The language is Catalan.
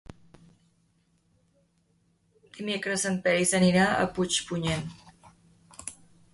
Dimecres en Peris anirà a Puigpunyent.